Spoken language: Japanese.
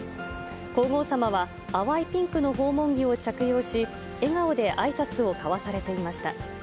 皇后さまは、淡いピンクの訪問着を着用し、笑顔であいさつを交わされていました。